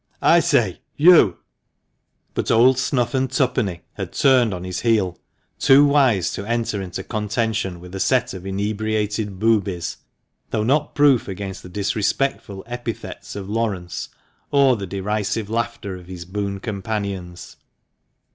I say, you " But " old snuff an' tuppeny " had turned on his heel, too wise to enter into contention with a set of inebriated boobies, though not proof against the disrespectful epithets of Laurence, or the derisive laughter of his boon companions.